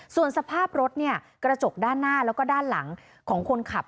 ส่วนสภาพรถกระจกด้านหน้าแล้วก็ด้านหลังของคนขับ